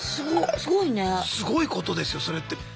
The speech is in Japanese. すごいことですよそれって。